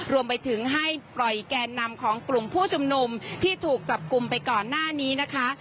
รวมไปถึงให้ปล่อยแกนนำของกลุ่มผู้ชุมนุมที่ถูกจับกลุ่มไปก่อนหน้านี้นะคะ